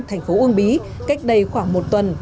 thành phố uông bí cách đây khoảng một tuần